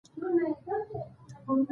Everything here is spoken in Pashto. د درد درملنه زیاته شوې ده.